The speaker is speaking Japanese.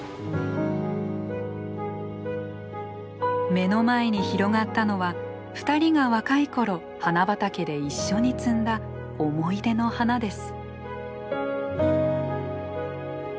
目の前に広がったのは２人が若い頃花畑で一緒に摘んだ思い出の花です。